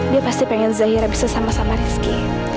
dia pasti pengen zahirah bisa sama sama rizky